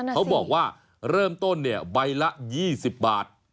เขาบอกว่าเริ่มต้นเนี่ยใบละ๒๐บาท